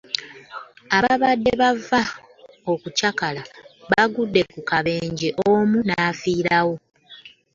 Ababadde bava okukyakala bagudde ku kabenje omu n'afiirawo.